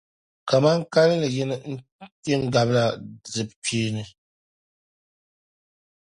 kaman kalinli yini kpe n-gabila di kpee ni.